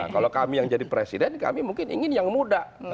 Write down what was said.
kalau kami yang jadi presiden kami mungkin ingin yang muda